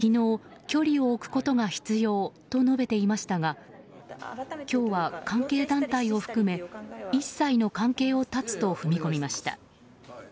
昨日、距離を置くことが必要と述べていましたが今日は関係団体を含め一切の関係を断つと踏み込みました。